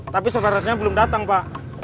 tapi spare partnya belum datang pak